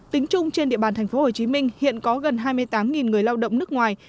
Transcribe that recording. tính chung trên địa bàn tp hcm hiện có gần hai mươi tám người lao động nước ngoài